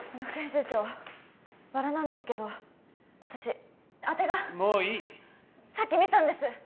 副編集長バラなんですけど私当てがもういいさっき見たんです